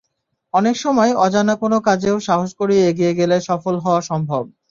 অনেক সময় অজানা কোনো কাজেও সাহস করে এগিয়ে গেলে সফল হওয়া সম্ভব।